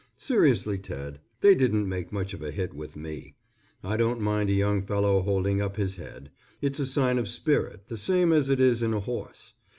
Seriously Ted, they didn't make much of a hit with me. I don't mind a young fellow holding up his head. It's a sign of spirit the same as it is in a horse.